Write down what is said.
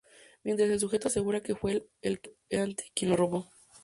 Mientras el Sujeto asegura que fue el querellante quien le robó.